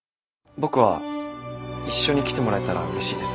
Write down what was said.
僕は一緒に来てもらえたらうれしいです。